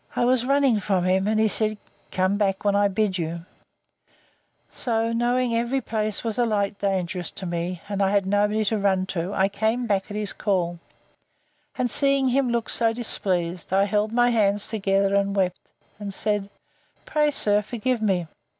I was running from him, and he said, Come back, when I bid you.—So, knowing every place was alike dangerous to me, and I had nobody to run to, I came back, at his call; and seeing him look displeased, I held my hands together, and wept, and said, Pray, sir, forgive me.